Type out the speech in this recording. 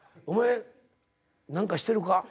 お前何かしてるか？